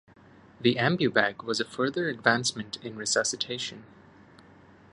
The ambu-bag was a further advancement in resuscitation.